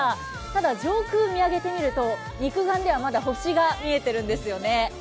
ただ上空見上げてみると肉眼ではまだ星が見えているんですよね。